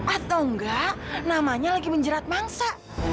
atau enggak namanya lagi menjerat mangsa